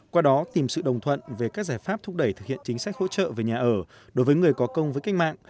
qua đó tìm sự đồng thuận về các giải pháp thúc đẩy thực hiện chính sách hỗ trợ về nhà ở đối với người có công với cách mạng